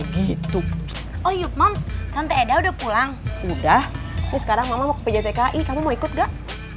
gitu oh iya moms tante eda udah pulang udah sekarang mau ke pjtki kamu mau ikut gak